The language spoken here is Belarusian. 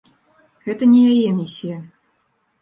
Гэта не яе місія.